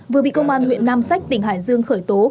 vừa bị công an huyện nam sách tỉnh hải dương khởi tố